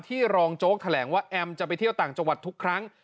รองโจ๊กแถลงว่าแอมจะไปเที่ยวต่างจังหวัดทุกครั้ง